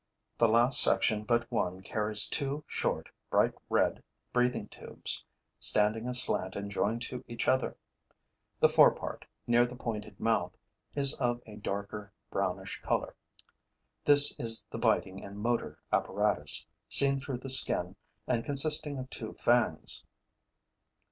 The last section but one carries two short, bright red breathing tubes, standing aslant and joined to each other. The fore part, near the pointed mouth, is of a darker, brownish color. This is the biting and motor apparatus, seen through the skin and consisting of two fangs.